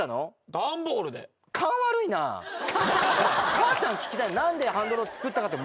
母ちゃん聞きたいの。